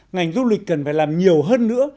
ngành du lịch cần phải làm nhiều hơn nữa